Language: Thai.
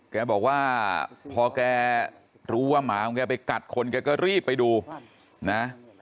แกบอกว่าพอแกรู้ว่าหมาของแกไปกัดคนแกก็รีบไปดูนะ